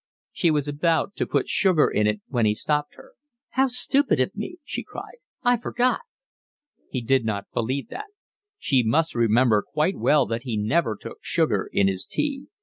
She was about to put sugar in it when he stopped her. "How stupid of me!" she cried. "I forgot." He did not believe that. She must remember quite well that he never took sugar in his tea.